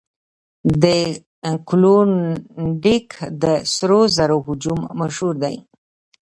د کلونډیک د سرو زرو هجوم مشهور دی.